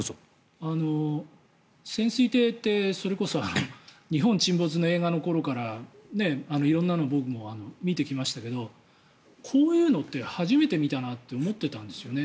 潜水艇ってそれこそ「日本沈没」の映画の頃から色んなのを僕も見てきましたがこういうのって初めて見たなって思ってたんですよね。